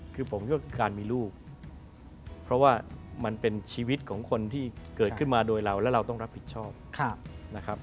คือผมคิดว่าการมีลูกเพราะว่ามันเป็นชีวิตของคนที่เกิดขึ้นมาโดยเราแล้วเราต้องรับผิดชอบนะครับ